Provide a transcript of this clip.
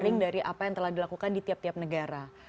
mending dari apa yang telah dilakukan di tiap tiap negara